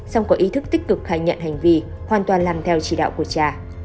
xong có ý thức tích cực khai nhận hành vi hoàn toàn làm theo chỉ đạo của cha